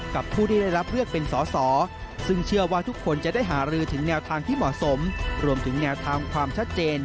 กับผู้ได้รับเลือกเป็นส